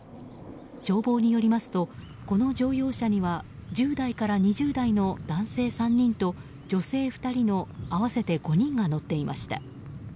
消防によりますとこの乗用車には１０代から２０代の男性３人と女性２人の合わせて５人が乗っていました。